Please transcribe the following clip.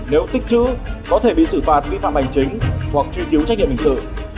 nếu tích chữ có thể bị xử phạt vi phạm hành chính hoặc truy cứu trách nhiệm hình sự